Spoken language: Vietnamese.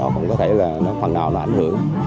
cũng có thể phần nào là ảnh hưởng